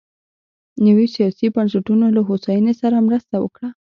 نویو سیاسي بنسټونو له هوساینې سره مرسته وکړه.